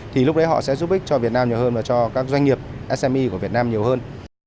thì lúc đấy họ sẽ giúp ích cho việt nam nhiều hơn và cho các doanh nghiệp sme của việt nam nhiều hơn